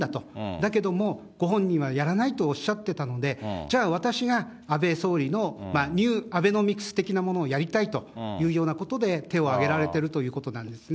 だけども、ご本人はやらないとおっしゃってたので、じゃあ、私が安倍総理のニューアベノミクス的なものをやりたいというようなことで、手を挙げられているということなんですね。